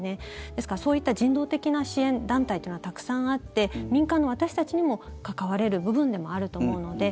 ですから、そういった人道的な支援団体というのがたくさんあって民間の私たちにも関われる部分でもあると思うので。